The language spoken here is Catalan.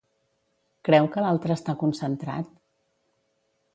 Creu que l'altre està concentrat?